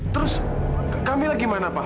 terus kamila gimana pak